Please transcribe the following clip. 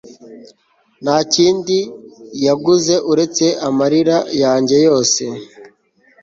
nta kindi yanguze uretse amarira yanjye yose